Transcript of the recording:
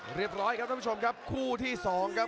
ประโยชน์ทอตอร์จานแสนชัยกับยานิลลาลีนี่ครับ